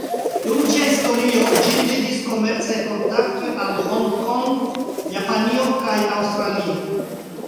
Dum ĝia historio, ĝin ligis komercaj kontaktoj al Hongkongo, Japanio kaj Aŭstralio.